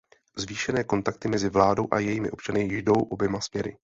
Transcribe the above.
Zvýšené kontakty mezi vládou a jejími občany jdou oběma směry.